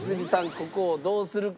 ここをどうするか？